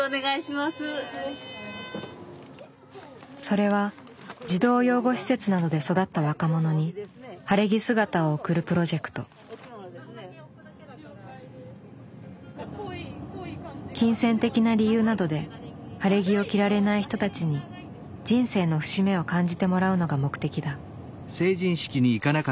それは児童養護施設などで育った若者に金銭的な理由などで晴れ着を着られない人たちに人生の節目を感じてもらうのが目的だ。